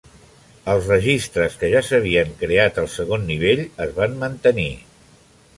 Els registres que ja s'havien creat al segon nivell es van mantenir.